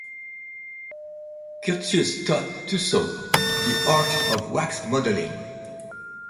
Curtius taught Tussaud the art of wax modelling.